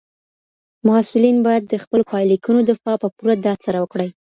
محصلین باید د خپلو پایلیکونو دفاع په پوره ډاډ سره وکړي.